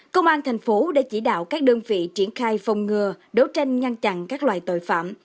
công an tp hcm đã chỉ đạo các đơn vị triển khai phòng ngừa đấu tranh nhăn chặn các loài tội phạm